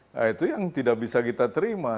nah itu yang tidak bisa kita terima